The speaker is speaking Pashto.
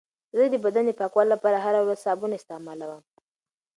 زه د بدن د پاکوالي لپاره هره ورځ صابون استعمالوم.